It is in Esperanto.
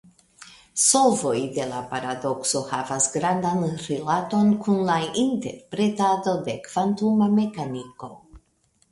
Solvoj de la paradokso havas gravan rilaton kun la interpretado de kvantuma mekaniko.